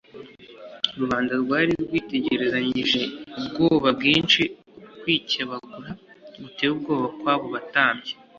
Rubanda rwari rwitegerezanyije ubwoba bwinshi ukwikebagura guteye ubwoba kwabo batambyi